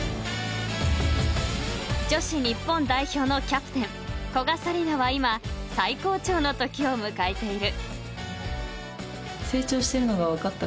［女子日本代表のキャプテン古賀紗理那は今最高潮の時を迎えている］